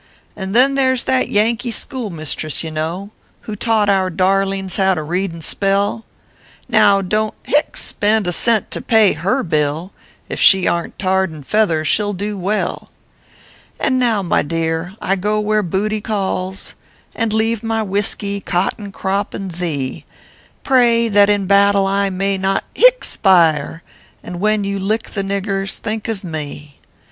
" And there s that Yankee schoolmistress, you know, "Who taught our darlings how to read and spell; Now don t (hie) spend a cent to pay her bill ; If she aren t tarred and feathered, she ll do well 1 " And now, my dear, I go where booty calls, I leave my whisky, cotton crop, and thee ; Pray, that in battle I may not (hie) spire, And when you lick the niggers think of me.